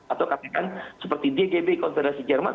atau katakan seperti dgb konfederasi jerman